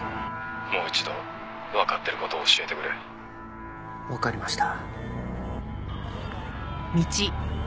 「もう一度わかってる事を教えてくれ」わかりました。